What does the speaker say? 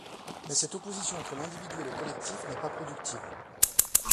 Mais cette opposition entre l’individuel et le collectif n’est pas productive.